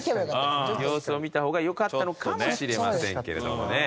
様子を見た方がよかったのかもしれませんけれどもね。